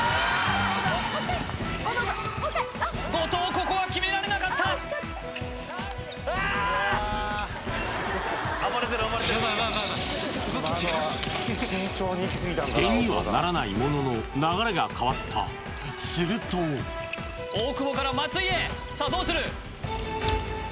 ここは決められなかった点にはならないものの流れが変わったすると大久保から松井へさあどうする？